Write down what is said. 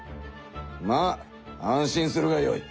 まあ安心するがよい。